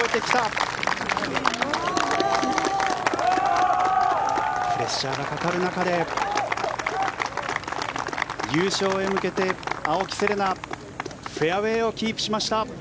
プレッシャーがかかる中で優勝へ向けて青木瀬令奈フェアウェーをキープしました。